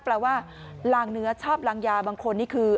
แปลว่าลางเนื้อชอบลางยาบางคนนี่คือ